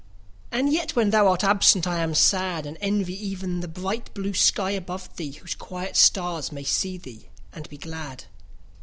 And yet when thou art absent I am sad; And envy even the bright blue sky above thee, Whose quiet stars may see thee and be glad.